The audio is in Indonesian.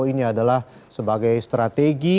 ini adalah sebagai strategi